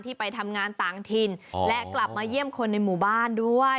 ไปทำงานต่างถิ่นและกลับมาเยี่ยมคนในหมู่บ้านด้วย